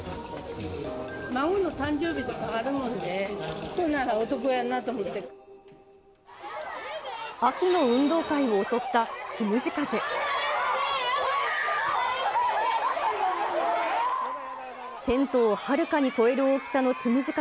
孫の誕生日とかあるので、秋の運動会を襲ったつむじ風。